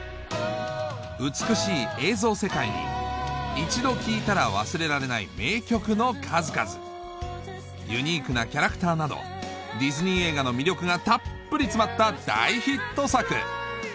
美しい映像世界に一度聞いたら忘れられない名曲の数々ユニークなキャラクターなどディズニー映画の魅力がたっぷり詰まった大ヒット作